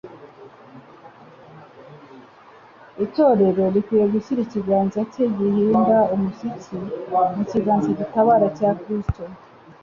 Itorero rikwiye gushyira ikiganza cye gihinda umushyitsi mu kiganza gitabara cya Kristo.